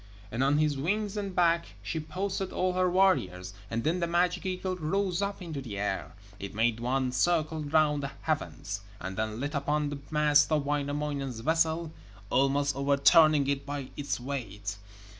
And on his wings and back she posted all her warriors, and then the magic eagle rose up into the air. It made one circle round the heavens, and then lit upon the mast of Wainamoinen's vessel, almost overturning it by its weight.